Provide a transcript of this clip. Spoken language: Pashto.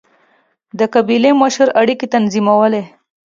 د قبیلې مشر اړیکې تنظیمولې.